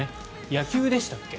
野球でしたっけ？